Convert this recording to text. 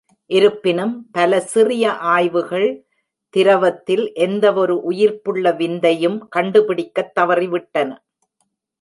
இருப்பினும் பல சிறிய ஆய்வுகள், திரவத்தில் எந்தவொரு உயிர்ப்புள்ள விந்தையும் கண்டுபிடிக்கத் தவறிவிட்டன.